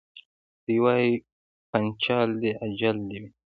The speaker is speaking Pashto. دی وايي پنچال دي اجل دي وي